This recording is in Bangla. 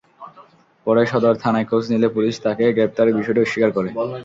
পরে সদর থানায় খোঁজ নিলে পুলিশ তাঁকে গ্রেপ্তারের বিষয়টি অস্বীকার করে।